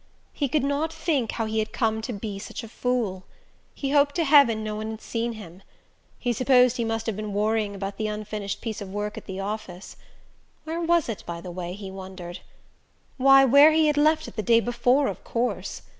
He could not think how he had come to be such a fool. He hoped to heaven no one had seen him. He supposed he must have been worrying about the unfinished piece of work at the office: where was it, by the way, he wondered? Why where he had left it the day before, of course!